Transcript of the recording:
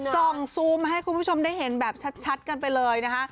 ซูมมาให้คุณผู้ชมได้เห็นแบบชัดกันไปเลยนะคะ